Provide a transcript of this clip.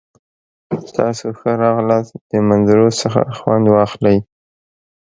تاسو ښه راغلاست. د منظرو څخه خوند واخلئ!